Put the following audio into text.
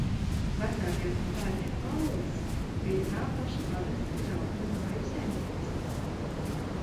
Vecākais no bērniem – Paulis, bija tā paša pagasta Kraukļu māju saimnieks.